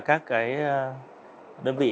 các cái đơn vị